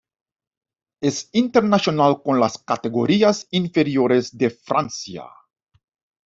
Es internacional con las categorías inferiores de Francia.